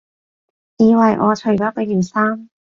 以為我除咗佢件衫